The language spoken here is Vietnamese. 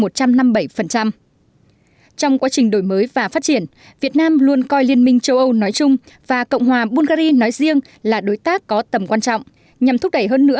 trong quá trình đổi mới và phát triển việt nam luôn coi liên minh châu âu nói chung và cộng hòa bungary nói riêng là đối tác có tầm quan trọng